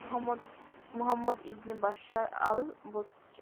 Muhammad ibn Bashshar al-Basri